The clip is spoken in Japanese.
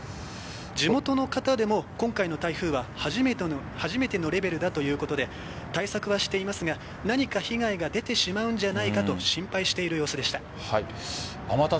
地元の方でも今回の台風は初めてのレベルだということで対策はしていますが何か被害が出てしまうんじゃないかと心配している様子でした。